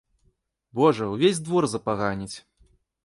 Божа, увесь двор запаганіць!